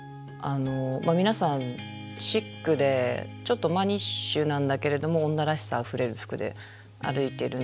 皆さんシックでちょっとマニッシュなんだけれども女らしさあふれる服で歩いてるんですよね。